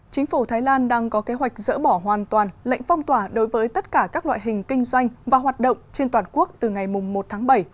chính phủ thái lan đang có kế hoạch dỡ bỏ hoàn toàn lệnh phong tỏa đối với tất cả các loại hình kinh doanh và hoạt động trên toàn quốc từ ngày một tháng bảy